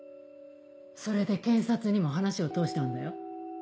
それで検察にも話を通してあるんだよ。